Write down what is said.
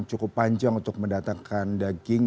cukup panjang untuk mendatangkan daging